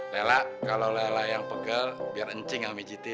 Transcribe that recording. lela kalau lela yang pegal biar encing amijitin